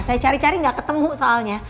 saya cari cari nggak ketemu soalnya